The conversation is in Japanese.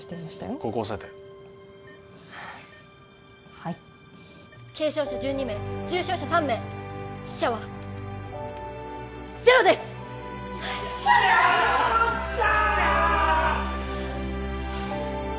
ここ押さえてはい軽傷者１２名重傷者３名死者はゼロですよっしゃー！